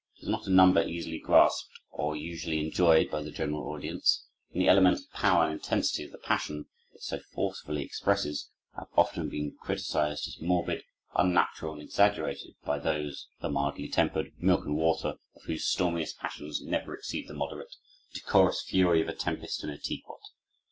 It is not a number easily grasped, or usually enjoyed by the general audience; and the elemental power and intensity of the passion it so forcefully expresses have been often criticized as morbid, unnatural, and exaggerated, by those, the mildly tempered milk and water of whose stormiest passions never exceed the moderate, decorous fury of a tempest in a tea pot.